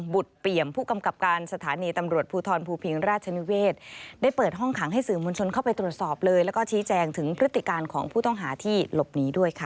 เปี่ยมผู้กำกับการสถานีตำรวจภูทรภูพิงราชนิเวศได้เปิดห้องขังให้สื่อมวลชนเข้าไปตรวจสอบเลยแล้วก็ชี้แจงถึงพฤติการของผู้ต้องหาที่หลบหนีด้วยค่ะ